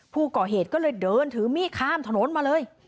ผู้ก่อเหตุก็เลยเดินถือมีดข้ามถนนมาเลย